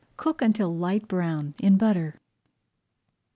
Cook until light brown in butter.